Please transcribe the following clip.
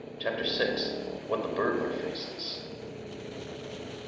CHAPTER VI. _What The Burglar Faces.